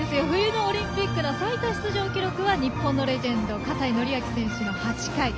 冬のオリンピックの最多出場記録は日本のレジェンド葛西紀明選手の８回。